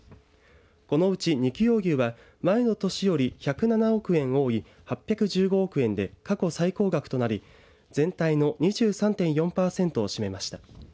このうち肉用牛は前の年より１０７億円多い８１５億円で過去最高額となり全体の２３．４パーセントを占めました。